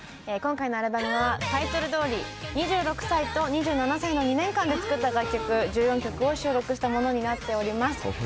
今回のアルバムは、タイトルどおり、２６歳と２７歳の２年間で作った楽曲、１４曲を収録したものになっております。